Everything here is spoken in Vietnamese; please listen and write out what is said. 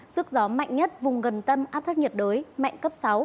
sức gió mạnh nhất vùng gần tâm áp thấp nhiệt đới mạnh cấp sáu